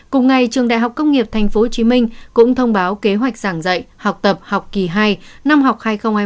cùng ngày trường đại học công nghiệp tp hcm cũng thông báo kế hoạch giảng dạy học tập học kỳ hai năm học hai nghìn hai mươi hai nghìn hai mươi một